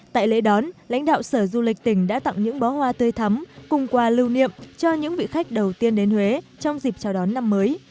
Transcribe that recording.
tại lễ đón lãnh đạo sở du lịch tỉnh đã tặng những bó hoa tươi thắm cùng quà lưu niệm cho những vị khách đầu tiên đến huế trong dịp chào đón năm mới